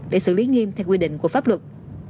để xử lý nghiêm theo quy định của pháp luật